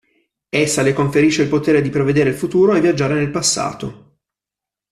Essa le conferisce il potere di prevedere il futuro e viaggiare nel passato.